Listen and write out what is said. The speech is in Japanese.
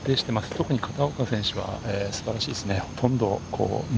特に片岡選手は素晴らしいですね。